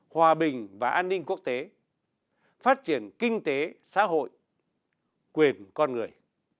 hòa bình và an ninh quốc tế phát triển kinh tế xã hội quyền con người